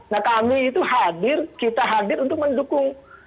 nah kami itu hadir kita hadir untuk mendukung